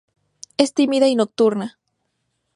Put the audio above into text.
Es tímida y nocturna.